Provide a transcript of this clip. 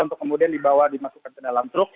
untuk kemudian dibawa dimasukkan ke dalam truk